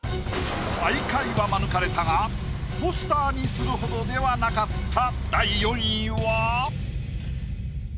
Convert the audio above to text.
最下位は免れたがポスターにするほどではなかった。